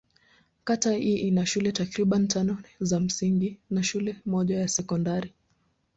Kata hii ina shule takriban tano za msingi na shule moja ya sekondari.